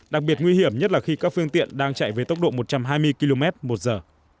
đặc biệt nguy hiểm nhất là khi các phương tiện đang chạy với tốc độ một trăm hai mươi km một giờ